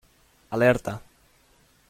Alerta.